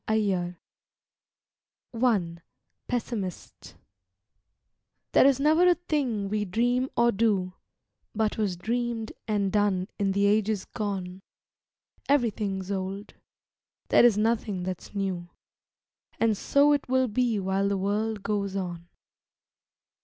LIFE I PESSIMIST There is never a thing we dream or do But was dreamed and done in the ages gone; Everything's old; there is nothing that's new, And so it will be while the world goes on.